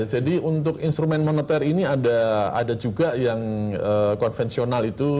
jadi untuk instrumen moneter ini ada juga yang konvensional itu